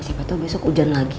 siapa tau besok hujan lagi